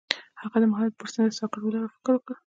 هغه د محبت پر څنډه ساکت ولاړ او فکر وکړ.